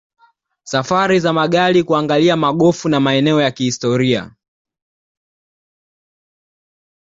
Safari za magari kuangalia magofu na maeneo ya kihistoria